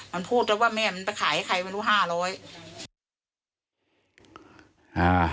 มันพูดแล้วว่าแม่มันไปขายให้ใครไม่รู้ห้าร้อย